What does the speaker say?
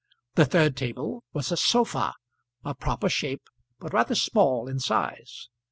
The third table was a "sofa," of proper shape, but rather small in size.